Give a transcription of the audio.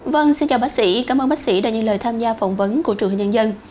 vâng xin chào bác sĩ cảm ơn bác sĩ đã nhận lời tham gia phỏng vấn của truyền hình nhân dân